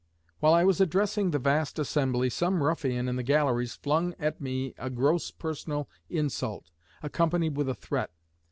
While I was addressing the vast assembly some ruffian in the galleries flung at me a gross personal insult accompanied with a threat.